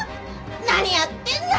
何やってんだよ！